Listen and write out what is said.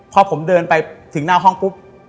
พอผมเดินไปถึงหน้าห้องปุ๊บ